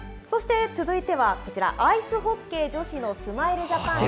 そして続いてはこちら、アイスホッケー女子のスマイルジャパ